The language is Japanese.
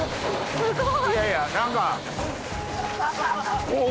すごい。